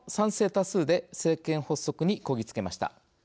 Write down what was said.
多数で政権発足にこぎ着けました。